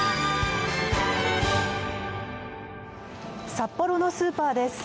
札幌のスーパーです。